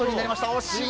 惜しい！